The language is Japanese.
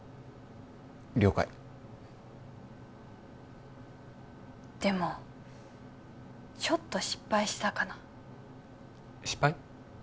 了解でもちょっと失敗したかな失敗？